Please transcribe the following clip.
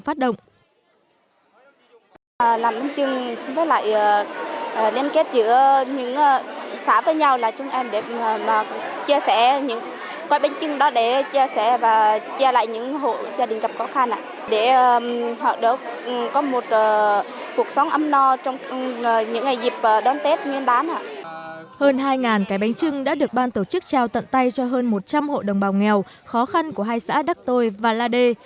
hội gói bánh trưng đã được ban tổ chức trao tận tay cho hơn một trăm linh hộ đồng bào nghèo khó khăn của hai xã đắc tôi và la đê